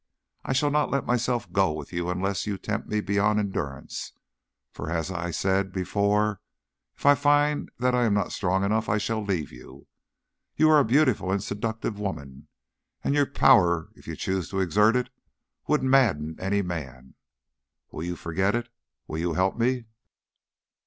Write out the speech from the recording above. I shall not let myself go with you unless you tempt me beyond endurance; for as I said before, if I find that I am not strong enough, I shall leave you. You are a beautiful and seductive woman, and your power if you chose to exert it would madden any man. Will you forget it? Will you help me?"